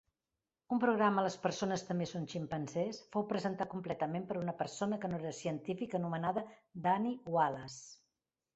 Un programa "Les persones també són ximpanzés" fou presentat completament per una persona que no era científic anomenada Danny Wallace.